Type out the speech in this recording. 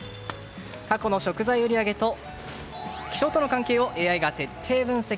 過去の食材の売り上げと気象との関係をＡＩが徹底分析。